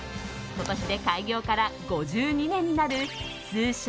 今年で開業から５２年になる通称、鴨